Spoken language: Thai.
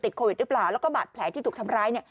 โควิดหรือเปล่าแล้วก็บาดแผลที่ถูกทำร้ายเนี่ย